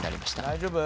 ・大丈夫？